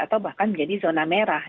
atau bahkan menjadi zona merah